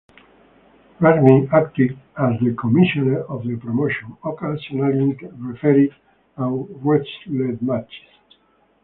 Ragni acted as the commissioner of the promotion, occasionally refereed, and wrestled matches.